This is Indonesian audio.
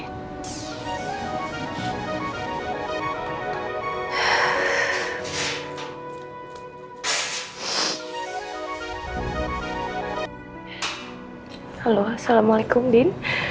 halo assalamualaikum din